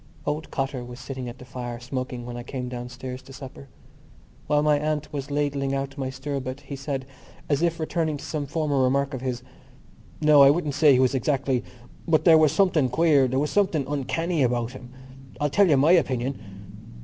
Old Cotter was sitting at the fire, smoking, when I came downstairs to supper. While my aunt was ladling out my stirabout he said, as if returning to some former remark of his: "No, I wouldn't say he was exactly ... but there was something queer ... there was something uncanny about him. I'll tell you my opinion...."